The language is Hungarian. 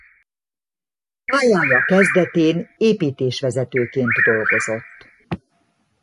Pályája kezdetén építésvezetőként dolgozott.